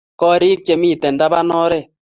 korik chemiten taban oret